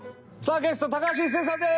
ゲスト高橋一生さんです！